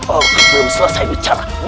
aku belum selesai bicara